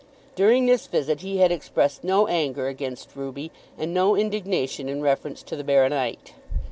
During this visit he had expressed no anger against Ruby, and no indignation in reference to the baronite.